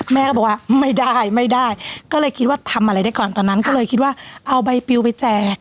แม่ก็บอกว่าไม่ได้ไม่ได้ก็เลยคิดว่าทำอะไรได้ก่อนตอนนั้นก็เลยคิดว่าเอาใบปิวไปแจก